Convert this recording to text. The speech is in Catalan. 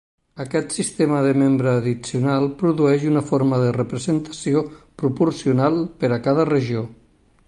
Aquest sistema de membre addicional produeix una forma de representació proporcional per a cada regió.